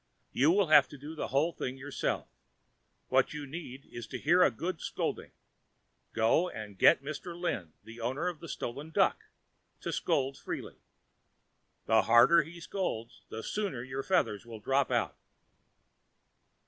You will have to do the whole thing yourself. What you need is to hear a good scolding. Go and get Mr. Lin, the owner of the stolen duck, to scold freely. The harder he scolds, the sooner will your feathers drop out."